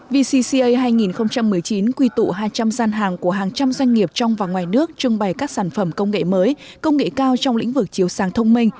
vcca hai nghìn một mươi chín quy tụ hai trăm linh gian hàng của hàng trăm doanh nghiệp trong và ngoài nước trưng bày các sản phẩm công nghệ mới công nghệ cao trong lĩnh vực chiếu sàng thông minh